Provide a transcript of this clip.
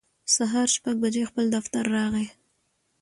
سهار شپږ بجې خپل دفتر راغی